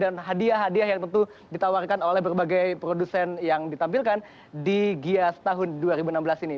dan hadiah hadiah yang tentu ditawarkan oleh berbagai produsen yang ditampilkan di gias tahun dua ribu enam belas ini